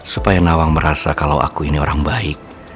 supaya nawang merasa kalau aku ini orang baik